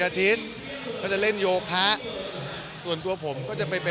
มีอีกประมาณ๑๐ปีมีอีกประมาณ๑๐ปี